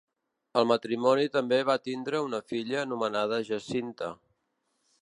El matrimoni també va tindre una filla anomenada Jacinta.